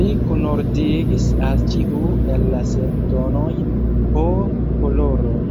Li kunordigis al ĉiu el la sep tonoj po koloron.